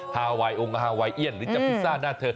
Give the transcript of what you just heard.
ฮาไวน์องค์ฮาไวเอียนหรือจะพิซซ่าหน้าเธอ